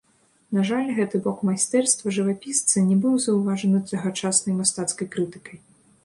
На жаль, гэты бок майстэрства жывапісца не быў заўважаны тагачаснай мастацкай крытыкай.